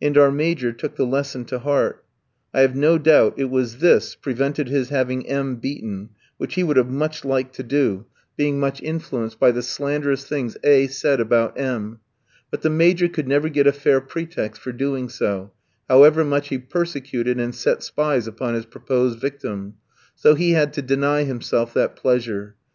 And our Major took the lesson to heart. I have no doubt it was this prevented his having M ski beaten, which he would much have liked to do, being much influenced by the slanderous things A f said about M ; but the Major could never get a fair pretext for doing so, however much he persecuted and set spies upon his proposed victim; so he had to deny himself that pleasure.